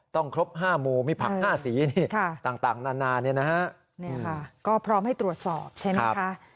ครบ๕หมู่มีผัก๕สีนี่ต่างนานาเนี่ยนะฮะก็พร้อมให้ตรวจสอบใช่ไหมคะ